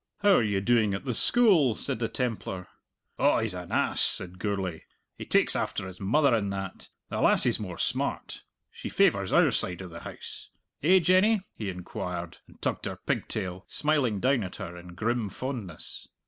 "How are you doing at the school?" said the Templar. "Oh, he's an ass!" said Gourlay. "He takes after his mother in that! The lassie's more smart she favours our side o' the house! Eh, Jenny?" he inquired, and tugged her pigtail, smiling down at her in grim fondness.